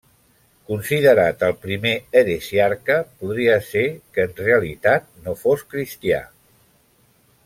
Considerat el primer heresiarca, podria ser que en realitat no fos cristià.